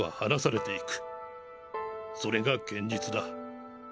それが現実だ。